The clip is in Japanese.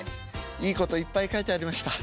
いいこといっぱい書いてありました。